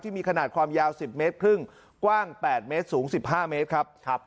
มีขนาดความยาว๑๐เมตรครึ่งกว้าง๘เมตรสูง๑๕เมตรครับ